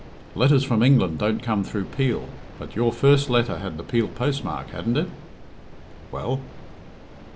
"Letters from England don't come through Peel, but your first letter had the Peel postmark, hadn't it?" "Well?"